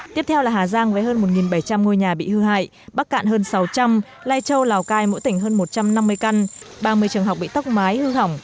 tiếp theo là hà giang với hơn một bảy trăm linh ngôi nhà bị hư hại bắc cạn hơn sáu trăm linh lai châu lào cai mỗi tỉnh hơn một trăm năm mươi căn ba mươi trường học bị tóc mái hư hỏng